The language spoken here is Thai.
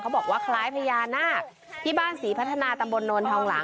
บอกว่าคล้ายพญานาคที่บ้านศรีพัฒนาตำบลโนนทองหลัง